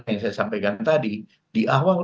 yang saya sampaikan tadi di awal